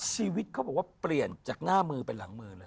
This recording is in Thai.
ชีวิตเขาบอกว่าเปลี่ยนจากหน้ามือไปหลังมือเลย